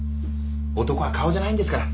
男は顔じゃないんですから。